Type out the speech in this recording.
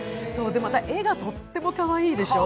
絵がとってもかわいいでしょう。